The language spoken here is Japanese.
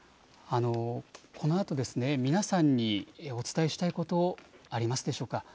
このあと皆さんにお伝えしたいこと、ありますでしょうか。